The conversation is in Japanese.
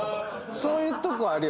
そういうとこあるよね。